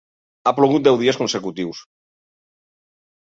Ha plogut deu dies consecutius.